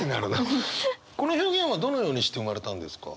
この表現はどのようにして生まれたんですか？